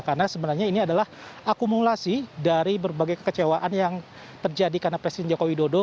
karena sebenarnya ini adalah akumulasi dari berbagai kekecewaan yang terjadi karena presiden joko widodo